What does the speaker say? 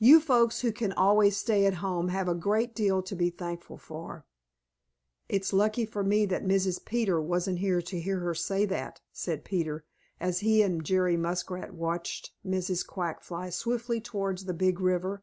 You folks who can always stay at home have a great deal to be thankful for." "It's lucky for me that Mrs. Peter wasn't here to hear her say that," said Peter, as he and Jerry Muskrat watched Mrs. Quack fly swiftly towards the Big River.